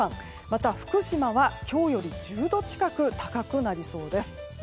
また福島は今日より１０度近く高くなりそうです。